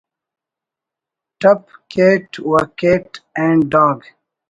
ٹپ کیٹ و Kate and dog